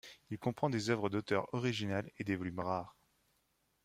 Il comprend des œuvres d'auteur originales et des volumes rares.